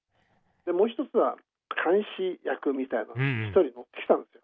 でもう一つは監視役みたいのが一人乗ってきたんですよ。